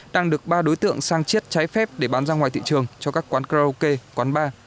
đang được ba đối tượng sang chiết trái phép để bán ra ngoài thị trường cho các quán karaoke quán bar